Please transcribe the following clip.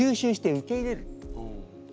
受け入れる。